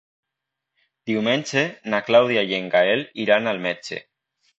Diumenge na Clàudia i en Gaël iran al metge.